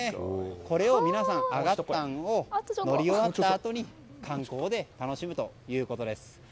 これを皆さんアガッタンを乗り終わったあとに観光で楽しむということです。